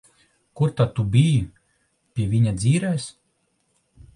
Kur tad tu biji? Pie viņa dzīrēs?